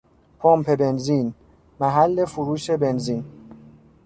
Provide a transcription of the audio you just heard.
پمپ بنزین، محل فروش بنزین